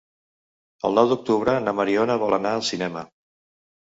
El nou d'octubre na Mariona vol anar al cinema.